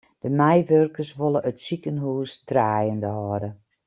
De meiwurkers wolle it sikehús draaiende hâlde.